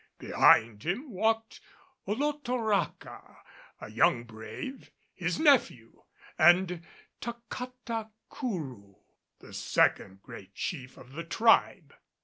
Behind him walked Olotoraca, a young brave, his nephew, and Tacatacourou, the second great chief of the tribe.